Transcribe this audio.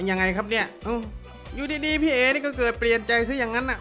อ่ะอย่างไรครับเนี่ยอยู่ดีพี่เอ๊ก็เกิดเปลี่ยนใจซะอย่างนั้น